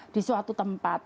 di suatu tempat